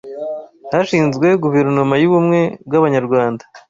Hashinzwe Guverinoma y’Ubumwe bw’Abanyarwanda